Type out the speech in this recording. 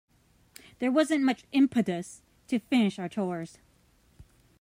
There wasn't much impetus to finish our chores.